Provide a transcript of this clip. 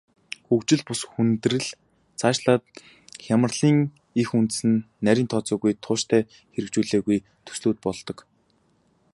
Хөгжил бус хүндрэл, цаашлаад хямралын эх үндэс нь нарийн тооцоогүй, тууштай хэрэгжүүлээгүй төслүүд болдог.